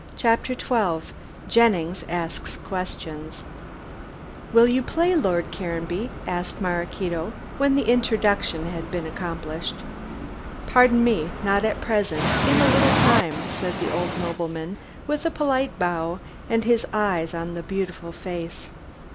CHAPTER XII JENNINGS ASKS QUESTIONS "Will you play, Lord Caranby?" asked Maraquito, when the introduction had been accomplished. "Pardon me, not at present: in a little time," said the old nobleman, with a polite bow and his eyes on the beautiful face.